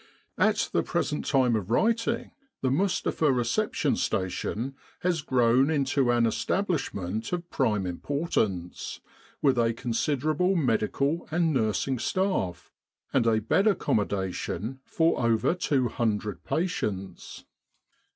At the present time of writing the Mustapha Reception Station has grown into an establishment of prime importance, with a considerable medical and nursing staff and a bed accommodation for over 200 patients.